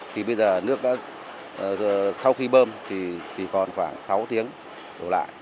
thì bây giờ nước đã sau khi bơm thì chỉ còn khoảng sáu tiếng đổ lại